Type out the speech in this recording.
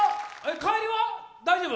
帰りは大丈夫？